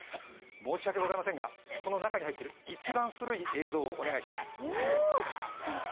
申し訳ございませんが、この中に入っている一番古い映像をお願いします。